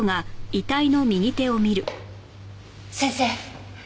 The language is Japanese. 先生。